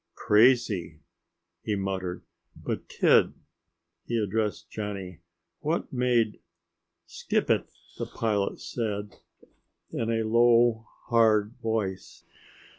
"Crazy!" he muttered. "But, kid," he addressed Johnny, "what made " "Skip it!" the pilot said, in a low hard voice.